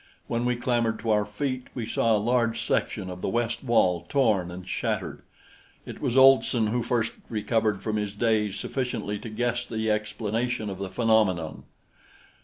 When we clambered to our feet, we saw a large section of the west wall torn and shattered. It was Olson who first recovered from his daze sufficiently to guess the explanation of the phenomenon.